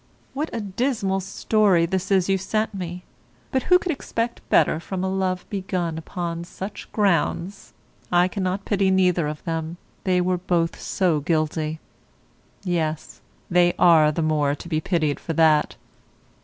What a dismal story this is you sent me; but who could expect better from a love begun upon such grounds? I cannot pity neither of them, they were both so guilty. Yes, they are the more to be pitied for that.